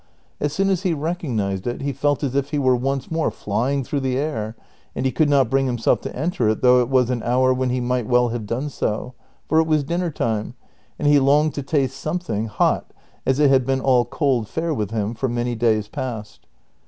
As soon as he recognized it he felt as if he were once more flying through the air, and he could not bring himself to enter it though it was an hour when he might well have done so, for it was dinner time, and he longed to taste something hot as it had been all cold fare with him for many days past.